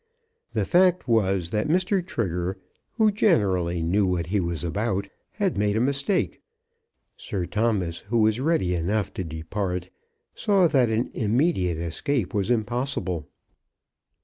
The fact was that Mr. Trigger, who generally knew what he was about, had made a mistake. Sir Thomas, who was ready enough to depart, saw that an immediate escape was impossible.